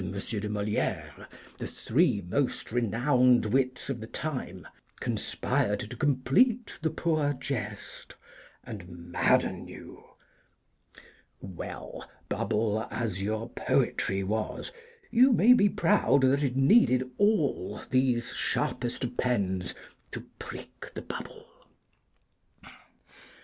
de Moliére, the three most renowned wits of the time, conspired to complete the poor jest, and madden you. Well, bubble as your poetry was, you may be proud that it needed all these sharpest of pens to prick the bubble.